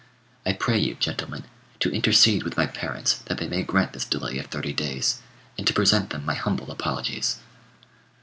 I pray you, gentlemen, to intercede with my parents that they may grant this delay of thirty days, and to present them my humble apologies."